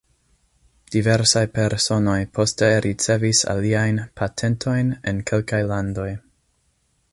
Diversaj personoj poste ricevis aliajn patentojn en kelkaj landoj.